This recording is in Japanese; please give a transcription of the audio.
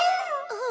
あっ！